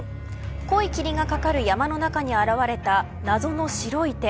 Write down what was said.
濃い霧がかかる山の中に現れた謎の白い手。